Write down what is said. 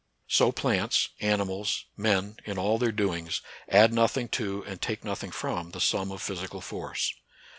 So plants, animals, men, in all their doings, add nothing to and take nothing from the sum of physical force.